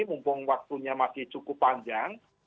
mumpung waktunya masih cukup panjang